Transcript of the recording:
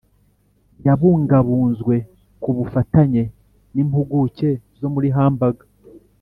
yabungabunzwe ku bufatanye nimpuguke zo muri Hamburg